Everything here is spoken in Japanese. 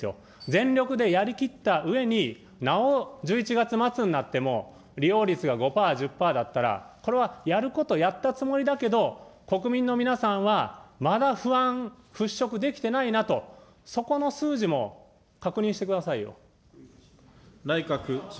全力でやりきったうえに、なお１１月末になっても、利用率が５パー、１０パーだったら、これはやることやったつもりだけど、国民の皆さんは、まだ不安払拭できてないなと、そこの数字も確認してくださいよ。